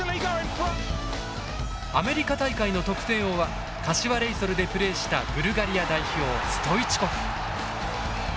アメリカ大会の得点王は柏レイソルでプレーしたブルガリア代表ストイチコフ。